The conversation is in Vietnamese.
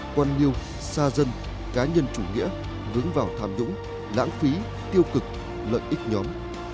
quan liêu xa dân cá nhân chủ nghĩa vướng vào tham nhũng lãng phí tiêu cực lợi ích nhóm